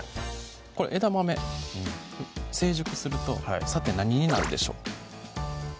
これ枝豆成熟するとさて何になるでしょう？